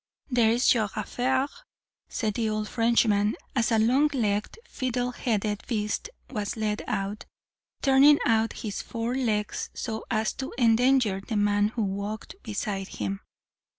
'There's your affaire,' said the old Frenchman, as a long legged, fiddle headed beast was led out; turning out his forelegs so as to endanger the man who walked beside him.